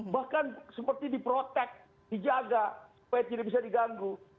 bahkan seperti diprotek dijaga supaya tidak bisa diganggu